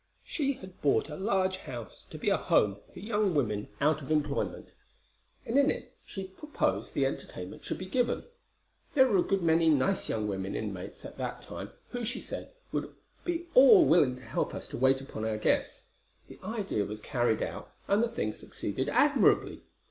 "She had bought a large house to be a home for young women out of employment, and in it she proposed the entertainment should be given: there were a good many nice young women inmates at the time, who, she said, would be all willing to help us to wait upon our guests. The idea was carried out, and the thing succeeded admirably.